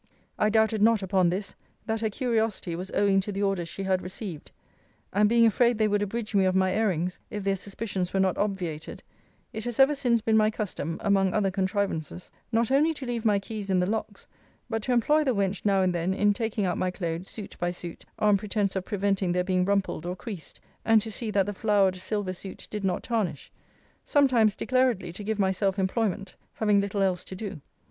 I doubted not, upon this, that her curiosity was owing to the orders she had received; and being afraid they would abridge me of my airings, if their suspicions were not obviated, it has ever since been my custom (among other contrivances) not only to leave my keys in the locks, but to employ the wench now and then in taking out my cloaths, suit by suit, on pretence of preventing their being rumpled or creased, and to see that the flowered silver suit did not tarnish: sometimes declaredly to give myself employment, having little else to do.